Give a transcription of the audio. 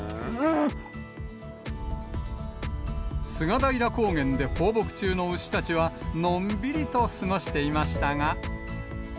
菅平高原で放牧中の牛たちは、のんびりと過ごしていましたが。